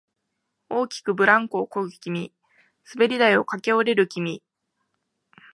大きくブランコをこぐ君、滑り台を駆け下りる君、